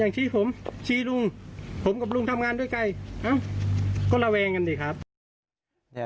ชี้ผมชี้ลุงผมกับลุงทำงานด้วยไกลเอ้าก็ระแวงกันสิครับ